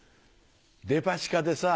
デパ地下でさ